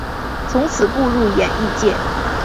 从此步入演艺界。